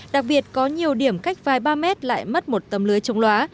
đặc biệt có nhiều điểm cách vài ba mét lại mất một tấm lưới chống loá